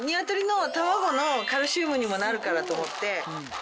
鶏の卵のカルシウムにもなるからと思って。